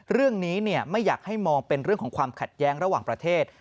เรื่องนี้ไม่อยากให้มองเป็นเรื่องของความขัดแย้งระหว่างประเทศ